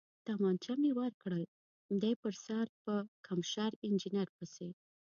تومانچه مې ورکړل، دی په سر پړکمشر انجنیر پسې.